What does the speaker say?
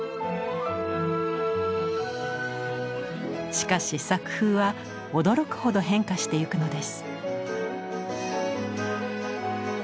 しかし作風は驚くほど変化していくのです。